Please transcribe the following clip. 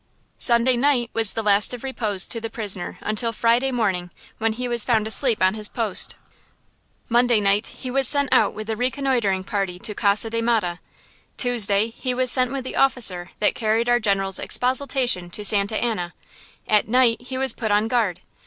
"Sunday night was the last of repose to the prisoner until Friday morning, when he was found asleep on his post. "Monday night he was sent out with the reconnoitering party to Casa de Mata. "Tuesday he was sent with the officer that carried our General's expostulation to Santa Anna. At night he was put on guard.